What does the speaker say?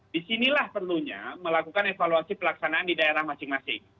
disinilah perlunya melakukan evaluasi pelaksanaan di daerah masing masing